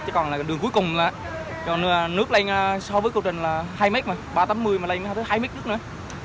chỉ còn là đường cuối cùng là nước lên so với cầu trình là hai mét mà ba trăm tám mươi mà lên tới hai mét nước nữa